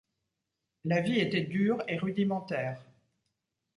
La vie était dure et rudimentaire.